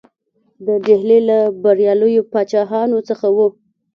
د ډهلي له بریالیو پاچاهانو څخه وو.